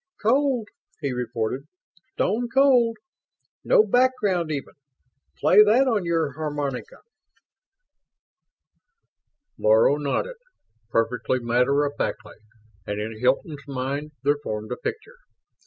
"Cold," he reported. "Stone cold. No background even. Play that on your harmonica!" Laro nodded, perfectly matter of factly, and in Hilton's mind there formed a picture.